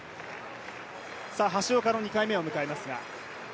橋岡の２回目を迎えますが。